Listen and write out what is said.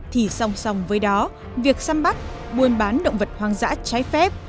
thì song song với đó việc xăm bắt buôn bán động vật hoang dã trái phép